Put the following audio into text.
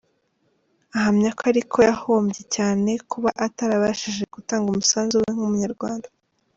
Ahamya ko ariko yahombye cyane kuba atarabashije gutanga umusanzu we nk’umunyarwanda.